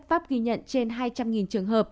pháp ghi nhận trên hai trăm linh trường hợp